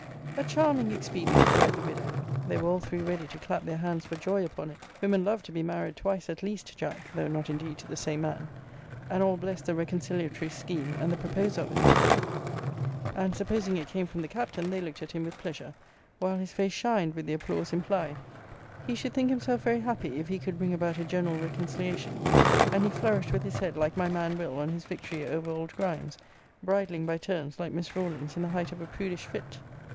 A charming expedient! cried the widow. They were all three ready to clap their hands for joy upon it. Women love to be married twice at least, Jack; though not indeed to the same man. And all blessed the reconciliatory scheme and the proposer of it; and, supposing it came from the Captain, they looked at him with pleasure, while his face shined with the applause implied. He should think himself very happy, if he could bring about a general reconciliation; and he flourished with his head like my man Will. on his victory over old Grimes; bridling by turns, like Miss Rawlins in the height of a prudish fit.